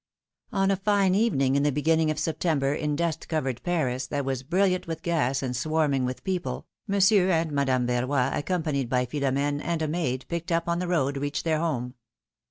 O X a fine evening in the beginning of September, in dust covered Paris, that was brilliant with gas, and swarming with people. Monsieur and Madame Verrov, accompanied by Philom^ne and a maid picked up on the road, reached their home.